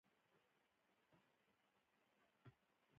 بدن د ملیاردونو حجرو همغږي ده.